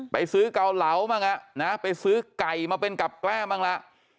ไปซื้อเกาเหลาบ้างไปซื้อไก่มาเป็นกับแก้มบ้างละ